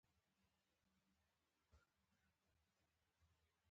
دوه افسران په خپل منځ کې په وږغېدو شول.